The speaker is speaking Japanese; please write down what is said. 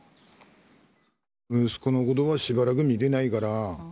息子のことはしばらく見てないから。